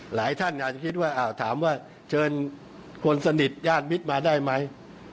หลายท่านอาจจะคิดว่าถามว่าเชิญคนสนิทญาติมิตรมาได้ไหม